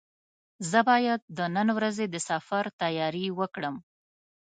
زه باید د نن ورځې د سفر تیاري وکړم.